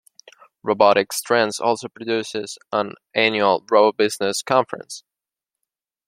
Robotics Trends also produces an annual RoboBusiness conference.